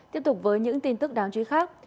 tiếp tục với những tin tức đáng chú ý khác